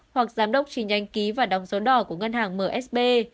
hoặc giám đốc trì nhánh ký và đóng dấu đỏ của ngân hàng msb